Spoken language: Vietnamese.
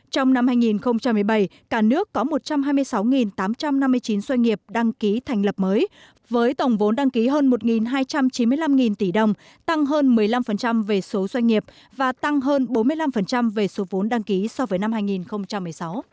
trong năm hai nghìn một mươi bảy cả nước có một trăm hai mươi sáu tám trăm năm mươi chín doanh nghiệp đăng ký thành lập mới với tổng vốn đăng ký hơn một hai trăm chín mươi năm tỷ đồng tăng hơn một mươi năm về số doanh nghiệp và tăng hơn bốn mươi năm về số vốn đăng ký so với năm hai nghìn một mươi sáu